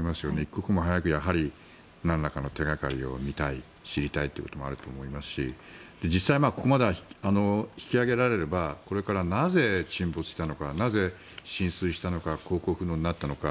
一刻も早くなんらかの手掛かりを見たい、知りたいということもあると思いますし実際、ここまで引き揚げられればこれから、なぜ沈没したのかなぜ浸水したのか航行不能になったのか。